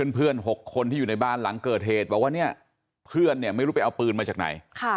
เพื่อน๖คนที่อยู่ในบ้านหลังเกิดเหตุบอกว่าเนี่ยเพื่อนเนี่ยไม่รู้ไปเอาปืนมาจากไหน